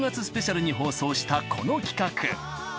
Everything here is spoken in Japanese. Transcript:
スペシャルに放送したこの企画。